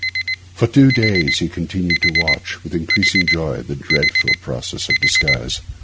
For two days he continued to watch, with increasing joy, the dreadful process of disguise.